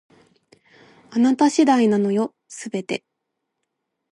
あなた次第なのよ、全て